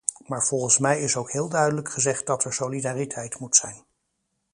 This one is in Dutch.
Maar volgens mij is ook heel duidelijk gezegd dat er solidariteit moet zijn.